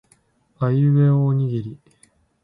あいうえおおにぎり